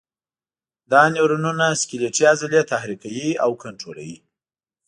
دا نیورونونه سکلیټي عضلې تحریکوي او کنټرولوي.